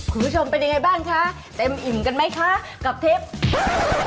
คุณผู้ชมเป็นยังไงบ้างคะเต็มอิ่มกันไหมคะกับเทป